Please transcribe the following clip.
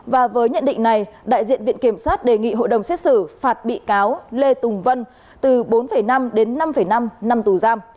và với nhận định này đại diện viện kiểm sát đề nghị hội đồng xét xử phạt bị cáo lê tùng vân từ bốn năm đến năm năm năm năm tù giam